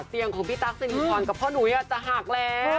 เสียงของพี่ตั๊กสิริพรกับพ่อหนุ้ยจะหักแล้ว